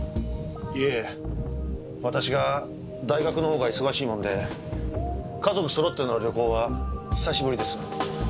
いえ私が大学の方が忙しいもんで家族揃っての旅行は久しぶりです。